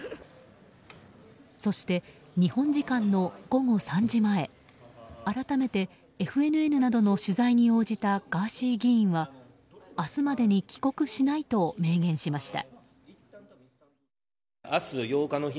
そして日本時間の午後３時前改めて、ＦＮＮなどの取材に応じたガーシー議員は明日までに帰国しないと明言しました。